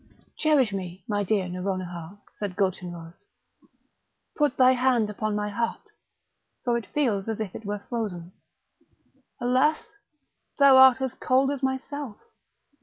"Cherish me, my dear Nouronihar!" said Gulchenrouz; "put thy hand upon my heart, for it feels as if it were frozen. Alas! thou art as cold as myself!